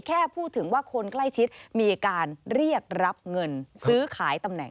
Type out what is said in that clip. แค่พูดถึงว่าคนใกล้ชิดมีการเรียกรับเงินซื้อขายตำแหน่ง